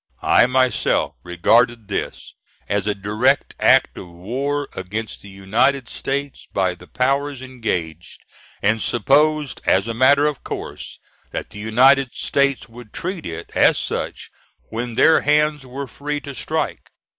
I, myself, regarded this as a direct act of war against the United States by the powers engaged, and supposed as a matter of course that the United States would treat it as such when their hands were free to strike.